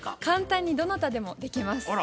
簡単にどなたでもできます。